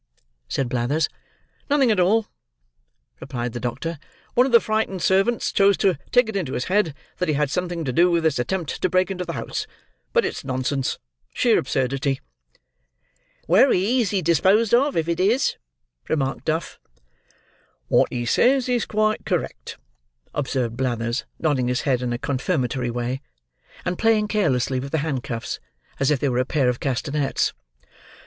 said Blathers. "Nothing at all," replied the doctor. "One of the frightened servants chose to take it into his head, that he had something to do with this attempt to break into the house; but it's nonsense: sheer absurdity." "Wery easy disposed of, if it is," remarked Duff. "What he says is quite correct," observed Blathers, nodding his head in a confirmatory way, and playing carelessly with the handcuffs, as if they were a pair of castanets.